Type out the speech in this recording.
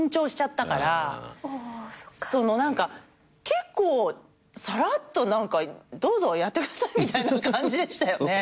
結構さらっとどうぞやってくださいみたいな感じでしたよね？